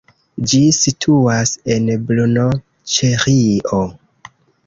Ĝi situas en Brno, Ĉeĥio.